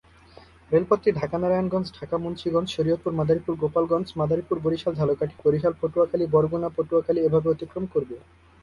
রেলপথটি ঢাকা-নারায়ণগঞ্জ-ঢাকা-মুন্সীগঞ্জ-শরীয়তপুর-মাদারীপুর-গোপালগঞ্জ-মাদারীপুর-বরিশাল-ঝালকাঠী-বরিশাল-পটুয়াখালী-বরগুনা-পটুয়াখালী এভাবে অতিক্রম করবে।